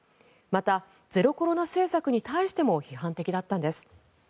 また、ゼロコロナ政策に対しても批判的だったんです。